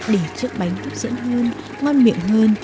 để chiếc bánh thức dễ thương ngon miệng hơn